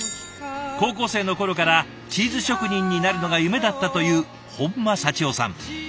高校生の頃からチーズ職人になるのが夢だったという本間幸雄さん。